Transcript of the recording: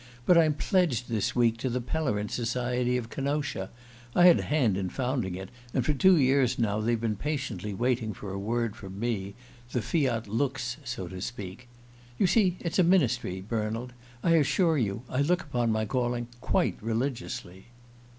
But I'm pledged this week to the Pellerin Society of Kenosha: I had a hand in founding it, and for two years now they've been patiently waiting for a word from me the Fiat Lux, so to speak. You see it's a ministry, Bernald I assure you, I look upon my calling quite religiously."